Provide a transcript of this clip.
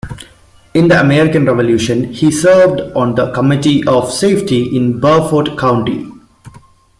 In the American Revolution, he served on the committee of safety in Beaufort County.